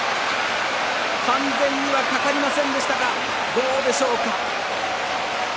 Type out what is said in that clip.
完全にはかかりませんでしたがどうでしょうか？